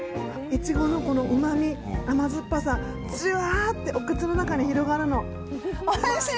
イチゴのうまみ、甘酸っぱさじゅわーってお口の中に広がるの。